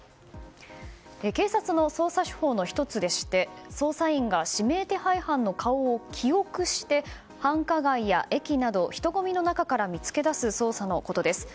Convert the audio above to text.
警察の捜査手法の１つでして捜査員が指名手配犯の顔を記憶して繁華街や駅など人混みの中から見つけ出す捜査のことです。